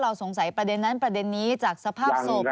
สงสัยประเด็นนั้นประเด็นนี้จากสภาพศพ